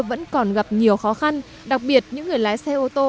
vẫn còn gặp nhiều khó khăn đặc biệt những người lái xe ô tô